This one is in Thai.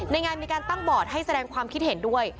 งานมีการตั้งบอร์ดให้แสดงความคิดเห็นด้วย